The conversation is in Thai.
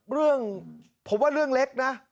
เรื่องผมว่าเรื่องเล็กนะ